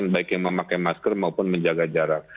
baik yang memakai masker maupun menjaga jarak